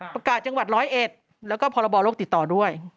ประกาศจังหวัด๑๐๑แล้วก็พรบโรคติดตอด้วย